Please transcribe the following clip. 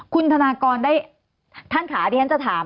คุณธนากรได้ท่านขาเดี๋ยวฉันจะถาม